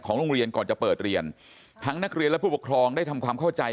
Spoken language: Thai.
โรงเรียนก่อนจะเปิดเรียนทั้งนักเรียนและผู้ปกครองได้ทำความเข้าใจ